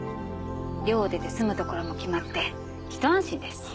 寮を出て住むところも決まってひと安心です。